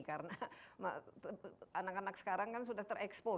karena anak anak sekarang sudah terekspos